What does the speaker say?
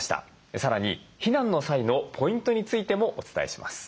さらに避難の際のポイントについてもお伝えします。